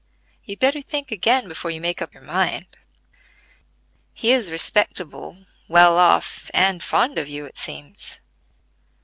You'd better think again before you make up your mind. He is respectable, well off, and fond of you, it seems.